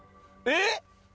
えっ！